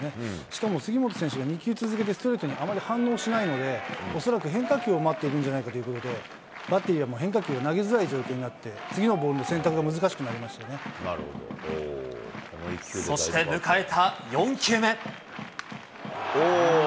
しかも杉本選手が２球続けてストレートにあまり反応しないので、恐らく変化球を待っているんじゃないかということで、バッテリーは変化球を投げづらい状況になって、次のボールの選択そして迎えた４球目。